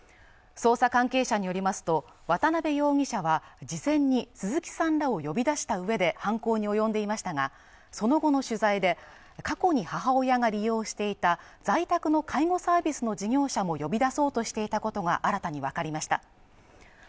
捜査関係者によりますと渡辺容疑者は事前に鈴木さんらを呼び出したうえで犯行に及んでいましたがその後の取材で過去に母親が利用していた在宅の介護サービスの事業者も呼び出そうとしていたことが新たに分かりました